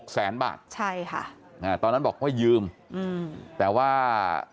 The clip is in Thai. แสนบาทใช่ค่ะอ่าตอนนั้นบอกว่ายืมอืมแต่ว่า